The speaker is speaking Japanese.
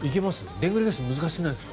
でんぐり返し難しくないです？